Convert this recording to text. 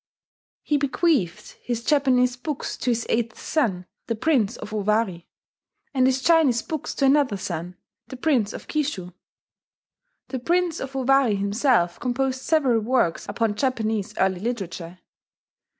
He bequeathed his Japanese books to his eighth son, the Prince of Owari; and his Chinese books to another son, the Prince of Kishu. The Prince of Owari himself composed several works upon Japanese early literature.